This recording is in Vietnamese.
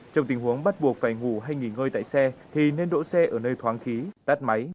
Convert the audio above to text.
trong tình huống bắt buộc phải ngủ hay nghỉ ngơi tại xe thì nên đỗ xe ở nơi thoáng khí tắt máy